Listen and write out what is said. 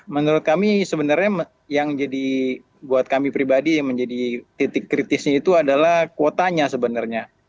menurut kami sebenarnya yang jadi buat kami pribadi yang menjadi titik kritisnya itu adalah kuotanya sebenarnya